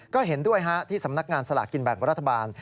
ก็เห็นด้วยที่สำนักงานสลากกินแบ่งรัฐบาล